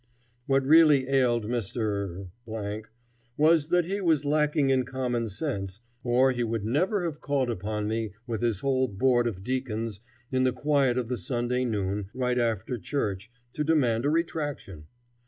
What really ailed Mr. was that he was lacking in common sense, or he would never have called upon me with his whole board of deacons in the quiet of the Sunday noon, right after church, to demand a retraction.